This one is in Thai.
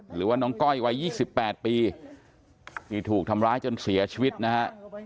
หรือว่าน้องก้อยวัย๒๘ปีที่ถูกทำร้ายจนเสียชีวิตนะฮะ